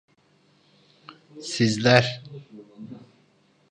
Sizler…